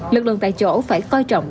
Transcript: lực lượng tại chỗ phải coi trọng